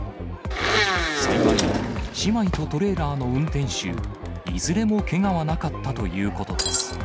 幸い姉妹とトレーラーの運転手、いずれもけがはなかったということです。